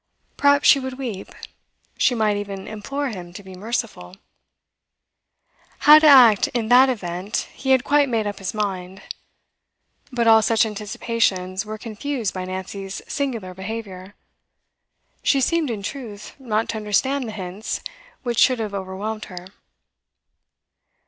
Perhaps she would weep; she might even implore him to be merciful. How to act in that event he had quite made up his mind. But all such anticipations were confused by Nancy's singular behaviour. She seemed, in truth, not to understand the hints which should have overwhelmed her.